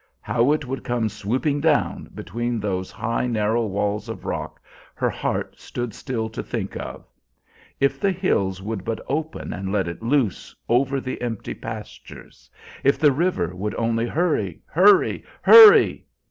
How it would come swooping down, between those high narrow walls of rock, her heart stood still to think of. If the hills would but open and let it loose, over the empty pastures if the river would only hurry, hurry, hurry!